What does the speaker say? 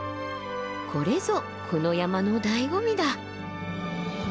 これぞこの山のだいご味だ。